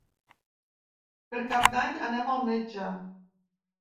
Per Cap d'Any anem al metge.